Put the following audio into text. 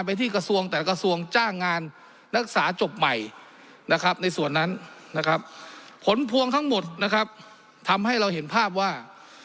นักศึกษาจบใหม่นะครับในส่วนนั้นนะครับผลพวงทั้งหมดนะครับทำให้เราเห็นภาพว่า